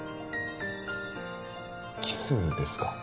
キスですか？